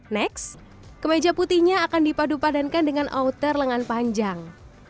next kemeja putihnya akan dipadupadankan dengan outer lengan panjang